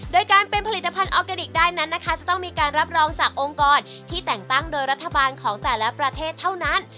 โดยการเป็นผลิตภัณฑ์ออร์แกนิคได้นั้นนะคะจะต้องมีการรับรองจากองค์กรที่แต่งตั้งโดยรัฐบาลของแต่ละประเทศเท่านั้น